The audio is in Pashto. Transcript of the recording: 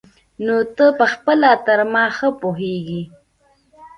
نو ته پخپله تر ما ښه پوهېږي.